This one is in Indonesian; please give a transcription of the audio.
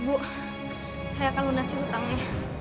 bu saya akan lunasi hutangnya